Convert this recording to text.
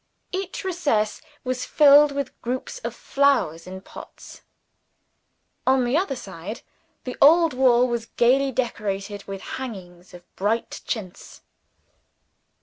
Each recess was filled with groups of flowers in pots. On the other side, the old wall was gaily decorated with hangings of bright chintz.